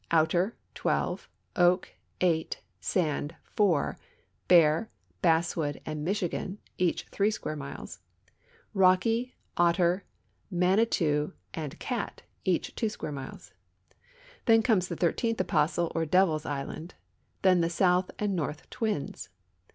Outer (12), Oak (8), Sand (4), Bear, Bass wood, and INIichigan (each 3 square miles), Rocky, Otter, Mani tou, and Cat (each 2 square miles). Then comes the thirteenth apostle, or Devil's island ; then the south and north Twins.